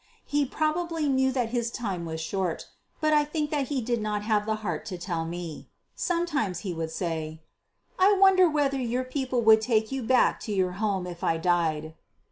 He probably knew that his time was short, but I think that he did not have the heart to tell me. Sometimes he would say, "I wonder whether your people would take you back to your home if I died."